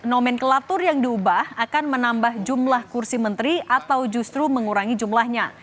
nomenklatur yang diubah akan menambah jumlah kursi menteri atau justru mengurangi jumlahnya